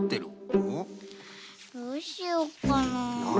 どうしよっかな。